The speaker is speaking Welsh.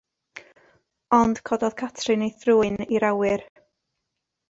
Ond cododd Catrin ei thrwyn i'r awyr.